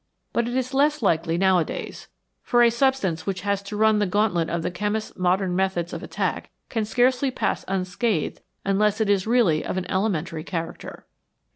But it is less likely nowadays, for a substance which has to run the gauntlet of the chemist's modern methods of attack can scarcely pass unscathed unless it is really of an elementary character.